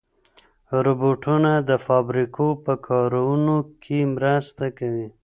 روبوټونه د فابریکو په کارونو کې مرسته کوي.